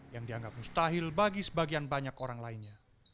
yang dianggap mustahil bagi sebagian banyak orang lainnya